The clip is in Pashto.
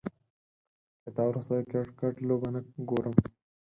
له تا وروسته، د کرکټ لوبه نه ګورم